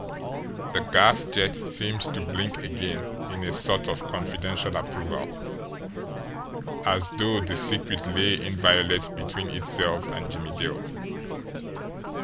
The gas jet seemed to blink again in a sort of confidential approval, as though the secret lay inviolate between itself and Jimmie Dale.